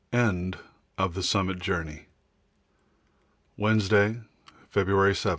End of the Summit Journey Wednesday, February 7.